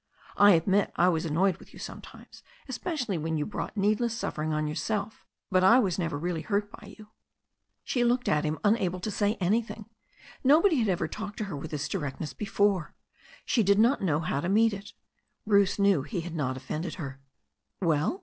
I admit I was annoyed with you sometimes, especially when you brought needless suffering on yourself, but I was never really hurt by you." She looked at him, unable to say anything. Nobody had 152 THE STORY OF A NEW ZEALAND RIVER ever talked to her with this directness before. She did not know how to meet it. Bruce knew he had not offended her. "Well